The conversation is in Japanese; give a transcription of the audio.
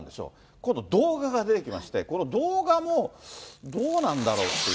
今度、動画が出てきまして、この動画もどうなんだろうっていう。